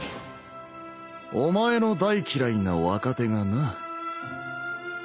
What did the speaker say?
お前の大嫌いな若手がな。